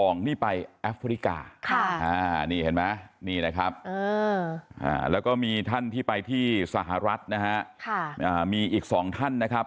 นี่เห็นมั้ยนี่นะครับแล้วก็มีท่านที่ไปที่สหรัฐนะฮะมีอีก๒ท่านนะครับ